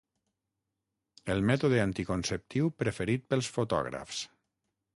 El mètode anticonceptiu preferit pels fotògrafs.